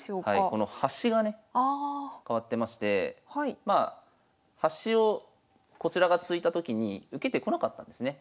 この端がね変わってましてまあ端をこちらが突いたときに受けてこなかったんですね。